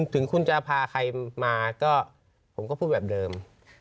ถึงคุณจะพาใครมาก็ผมก็พูดแบบเดิม